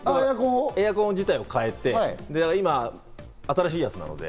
エアコン自体を替えて、今、新しいやつなので。